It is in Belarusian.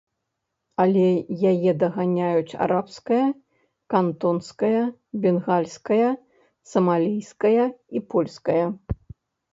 Але яе даганяюць арабская, кантонская, бенгальская, самалійская і польская.